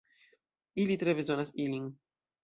Ili tre bezonas ilin.